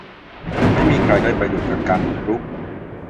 ไม่มีใครได้ประโยชน์จากการบุกรุก